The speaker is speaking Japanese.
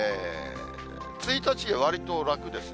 １日はわりと楽ですね。